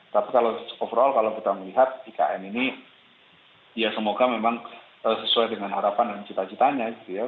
tapi kalau overall kalau kita melihat ikn ini ya semoga memang sesuai dengan harapan dan cita citanya gitu ya